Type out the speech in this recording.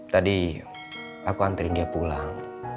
tadi aku antri dia pulang